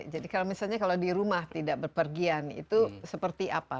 jadi kalau misalnya di rumah tidak berpergian itu seperti apa